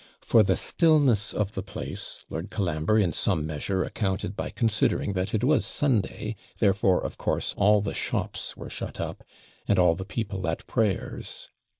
For the stillness of the place Lord Colambre in some measure accounted by considering that it was Sunday; therefore, of course, all the shops were shut up, and all the people at prayers.